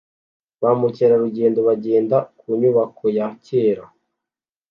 Ba mukerarugendo bagenda ku nyubako ya kera